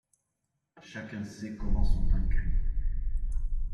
Chacun sait comment son pain cuit.